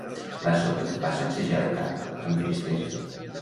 La Sota va sacsejar el cap amb tristesa.